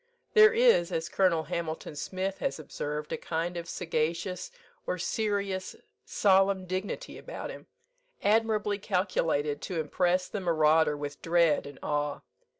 There is, as Colonel Hamilton Smith has observed, a kind of sagacious, or serious, solemn dignity about him, admirably calculated to impress the marauder with dread and awe.